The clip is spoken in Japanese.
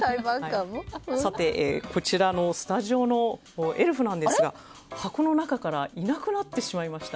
こちらのスタジオのエルフなんですが箱の中からいなくなってしまいました。